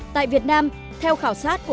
tại việt nam theo khảo sát của